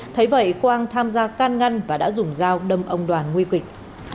thấy vậy quang tham gia can ngăn và đã dùng dao đâm ông đoàn nguy kịch